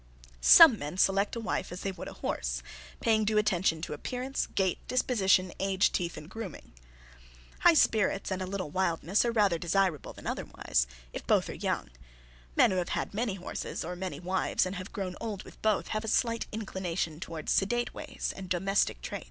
Some men select a wife as they would a horse, paying due attention to appearance, gait, disposition, age, teeth, and grooming. High spirits and a little wildness are rather desirable than otherwise, if both are young. Men who have had many horses or many wives and have grown old with both, have a slight inclination toward sedate ways and domestic traits.